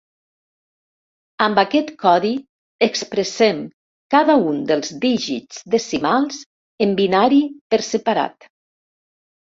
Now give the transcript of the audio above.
Amb aquest codi expressem cada un dels dígits decimals en binari per separat.